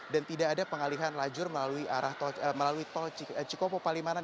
dan tidak ada pengalihan lajur melalui tol cikopo palimanan